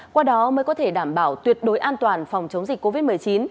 qua đó mới có thể đảm bảo tuyệt đối an toàn phòng chống dịch covid một mươi chín